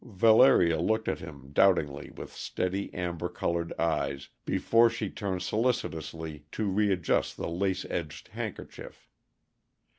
Valeria looked at him doubtingly with steady, amber colored eyes before she turned solicitously to readjust the lace edged handkerchief.